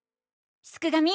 すくがミ！